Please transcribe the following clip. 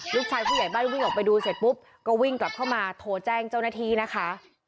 ผู้ใหญ่ผู้ใหญ่บ้านวิ่งออกไปดูเสร็จปุ๊บก็วิ่งกลับเข้ามาโทรแจ้งเจ้าหน้าที่นะคะ